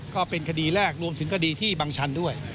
ก็เป็นคดีแรกรวมถึงคดีที่บังชันด้วย